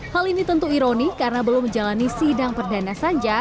hal ini tentu ironi karena belum menjalani sidang perdana saja